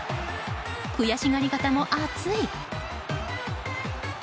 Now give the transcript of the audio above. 悔しがり方も熱い。